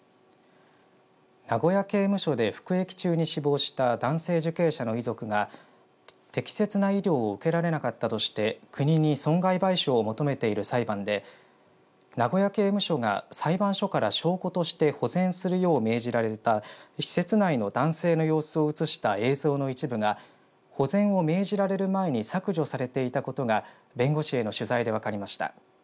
名古屋刑務所で服役中に死亡した男性受刑者の遺族が適切な医療を受けられなかったとして国に損害賠償を求めている裁判で名古屋刑務所が裁判所から証拠として保全するように命じられた施設内の男性の様子を映した映像の一部が保全を命じられる前に削除されていたことが弁護士への取材で分かりました。